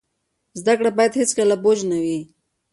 زده کړه باید هیڅکله بوج نه وي.